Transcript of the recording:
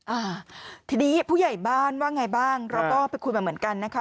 อ่าทีนี้ผู้ใหญ่บ้านว่าไงบ้างเราก็ไปคุยมาเหมือนกันนะคะ